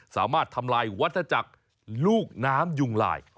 สามารถทำลายวัฒนาจักรลูกน้ำยุงลาย